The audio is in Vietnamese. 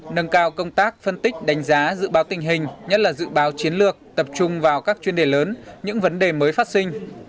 nâng cao công tác phân tích đánh giá dự báo tình hình nhất là dự báo chiến lược tập trung vào các chuyên đề lớn những vấn đề mới phát sinh